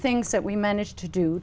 không phải phải theo dõi